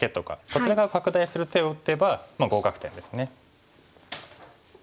こちら側拡大する手を打てば合格点ですね。